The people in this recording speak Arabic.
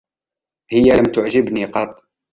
هي لم تعجبني قطّ.